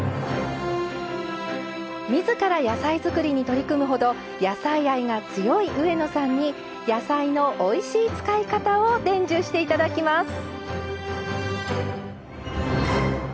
みずから野菜作りに取り組むほど野菜愛が強い上野さんに野菜のおいしい使い方を伝授して頂きます。